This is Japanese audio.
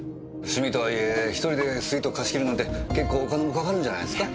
趣味とはいえ１人でスイートを貸し切るなんて結構お金もかかるんじゃないですか？